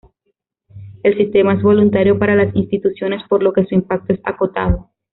El sistema es voluntario para las instituciones por lo que su impacto es acotado.